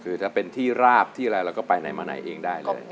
คือถ้าเป็นที่ราบที่อะไรเราก็ไปไหนมาไหนเองได้เลย